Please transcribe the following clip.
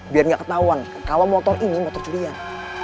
biar nggak ketahuan kalau motor ini motor curian